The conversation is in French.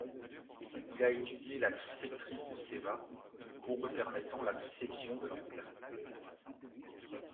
Il a étudié la trisectrice de Ceva une courbe permettant la trisection de l'angle.